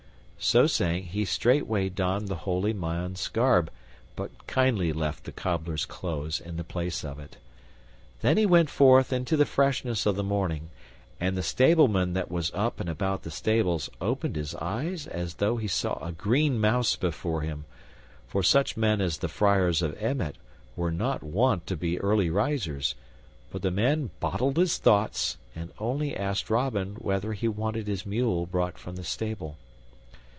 So saying, he straightway donned the holy man's garb, but kindly left the cobbler's clothes in the place of it. Then he went forth into the freshness of the morning, and the stableman that was up and about the stables opened his eyes as though he saw a green mouse before him, for such men as the friars of Emmet were not wont to be early risers; but the man bottled his thoughts, and only asked Robin whether he wanted his mule brought from the stable.